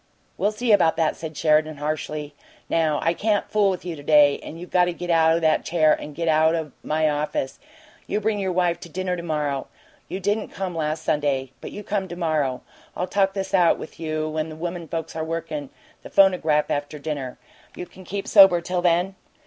"We'll see about that!" said Sheridan, harshly. "Now I can't fool with you to day, and you get up out o' that chair and get out o' my office. You bring your wife to dinner to morrow. You didn't come last Sunday but you come to morrow. I'll talk this out with you when the women folks are workin' the phonograph, after dinner. Can you keep sober till then?